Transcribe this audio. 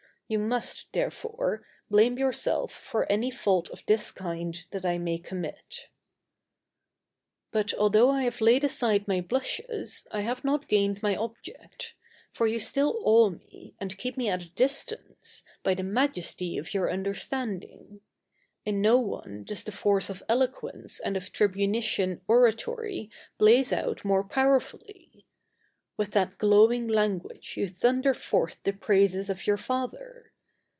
You must, therefore, blame yourself for any fault of this kind that I may commit. But, although I have laid aside my blushes, I have not gained my object; for you still awe me, and keep me at a distance, by the majesty of your understanding. In no one does the force of eloquence and of tribunitian oratory blaze out more powerfully! With what glowing language you thunder forth the praises of your Father!